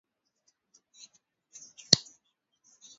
Kwa toleo maalum na leo hii neno mchipuko wa habari